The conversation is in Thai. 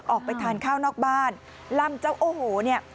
ออกไปทานข้าวนอกบ้านลำเจ้าโอ้โหเนี่ย